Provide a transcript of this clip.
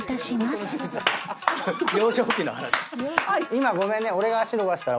今ごめんね。